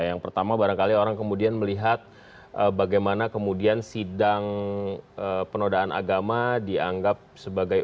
yang pertama barangkali orang kemudian melihat bagaimana kemudian sidang penodaan agama dianggap sebagai